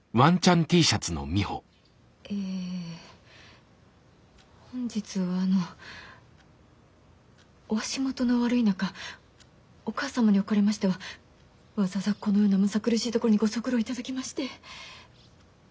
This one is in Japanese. えぇ本日はあのお足元の悪い中お母様におかれましてはわざわざこのようなむさ苦しいところにご足労頂きまして。